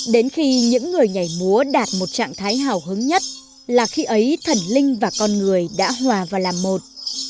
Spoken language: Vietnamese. đến khi những người nhảy múa đạt một trạng thái hào hứng nhất là khi ấy thần linh và con người đã hòa vào làm một